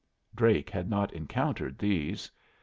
Drake had not encountered these.